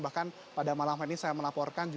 bahkan pada malam hari ini saya melaporkan